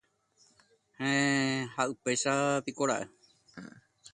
Héẽ, upéichatikora'e